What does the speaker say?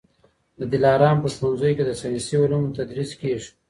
د دلارام په ښوونځیو کي د ساینسي علومو تدریس کېږي.